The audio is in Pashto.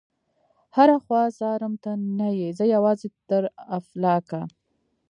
هره خوا څارم ته نه يې، زه یوازي تر افلاکه